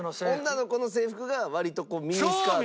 女の子の制服が割とこうミニスカート。